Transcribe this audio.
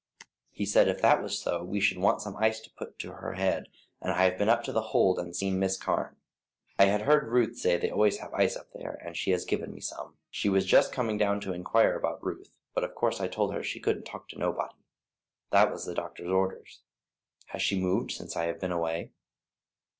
He said if that was so we should want some ice to put to her head, and I have been up to The Hold and seen Miss Carne. I had heard Ruth say they always have ice up there, and she has given me some. She was just coming down to inquire about Ruth, but of course I told her she couldn't talk to nobody. That was the doctor's orders. Has she moved since I have been away?"